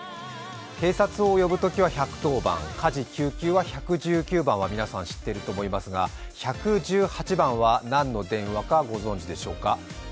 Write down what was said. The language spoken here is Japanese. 警察を呼ぶときは１１０番、火事・救急は１１９番は皆さん、知ってると思いますが１１８番は何の電話かご存じでしょうか。